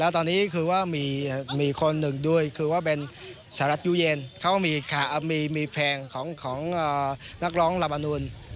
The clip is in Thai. ตอนนี้มีคนหนึ่งสหรัฐยูเยนมีแฟนของนักร้องลำอารุน